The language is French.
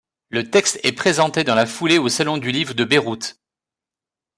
Le texte est présenté dans la foulée au Salon du livre de Beyrouth.